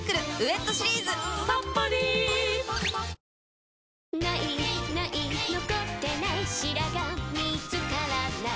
◆神尾君、「ない！ない！残ってない！」「白髪見つからない！」